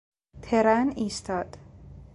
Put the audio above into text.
ترن ایستاد